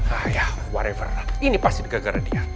ah ya whatever ini pasti digagarin dia